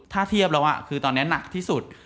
ถ้าเทียบแล้วคือตอนนี้หนักที่สุด